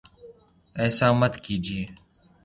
ایسا مت کیجیے